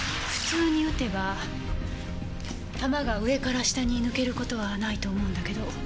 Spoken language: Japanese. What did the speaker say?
普通に撃てば弾が上から下に抜ける事はないと思うんだけど。